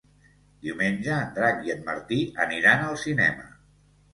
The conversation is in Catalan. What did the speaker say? Diumenge en Drac i en Martí aniran al cinema.